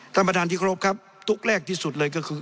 ท่านประธานที่เคารพครับตุ๊กแรกที่สุดเลยก็คือ